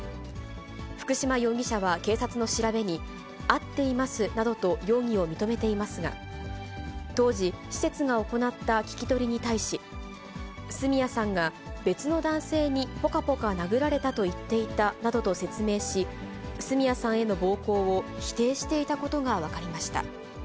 福島容疑者は警察の調べに、合っていますなどと容疑を認めていますが、当時、施設が行った聞き取りに対し、角谷さんが別の男性にぽかぽか殴られたと言っていたなどと説明し、角谷さんへの暴行を否定していたことが分かりました。